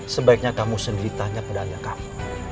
sebaiknya kamu sendiri tanya pada anak kamu